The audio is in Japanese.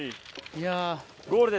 いや。